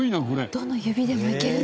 どの指でもいけるんだ！